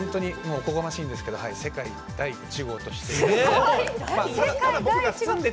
おこがましいんですけど世界第１号ということで。